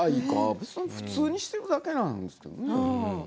普通にしてるだけなんですけどね。